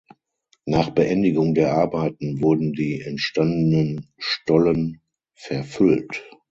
Nach Beendigung der Arbeiten wurden die entstandenen Stollen verfüllt.